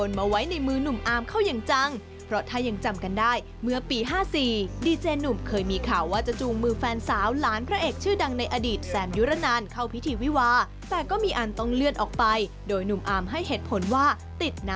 ถ้ายิ้มกว้างก็ให้จับมือคนคนนั้นมายืนข้างก็พอซึ่งหลังจากนั้นก็มียูสเซอร์หนึ่งเข้ามาคอมเม้นต์เน็บแนมเชิงตั้งคำถามว่าที่ผ่านมาไม่มีความสุขเลยหรือไปแอบคบกันตอนไหนเท่านั้นล่ะค่ะคุณผู้ชมเผือกร้อนร้อนก็ถูกโยนมาไว้ในมือหนุ่มอามเขายังจังเพราะถ้ายังจำกันได้เมื่อปี๕๔ดีเจ